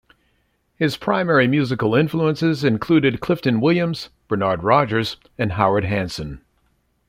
His primary musical influences included Clifton Williams, Bernard Rogers, and Howard Hanson.